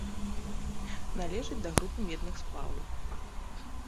Належыць да групы медных сплаваў.